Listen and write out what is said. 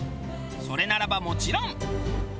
それならばもちろん。